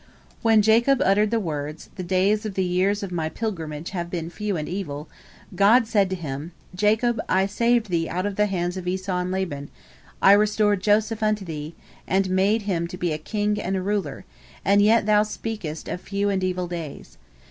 When Jacob uttered the words, "The days of the years of my pilgrimage have been few and evil," God said to him: "Jacob, I saved thee out of the hands of Esau and Laban, I restored Joseph unto thee, and made him to be a king and a ruler, and yet thou speakest of few and evil days.